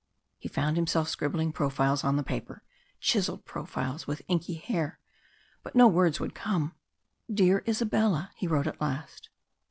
He found himself scribbling profiles on the paper, chiselled profiles with inky hair but no words would come. "Dear Isabella," he wrote at last.